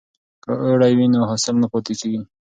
که اوړی وي نو حاصل نه پاتیږي.